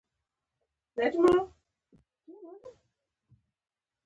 د موسسې یو پلان طرحه کړ.